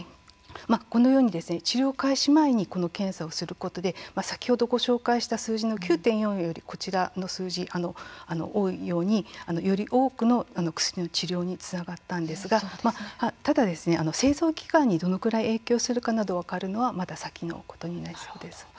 このように治療開始前に検査をすることで先ほどご紹介した数字の９．４よりこちらの数値、より多くの薬の治療につながったんですがただ生存期間にこれぐらい影響するかなど分かるのはまだ先のことになりそうです。